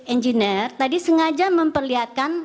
engineer tadi sengaja memperlihatkan